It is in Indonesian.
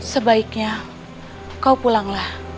sebaiknya kau pulanglah